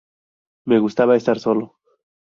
Me gustaba estar solo.